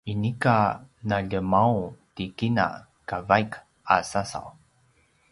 inika naljemaung ti kina ka vaik a sasaw